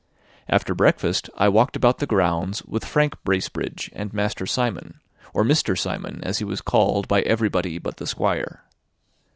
After breakfast I walked about the grounds with Frank Bracebridge and Master Simon, or Mr. Simon as he was called by everybody but the Squire.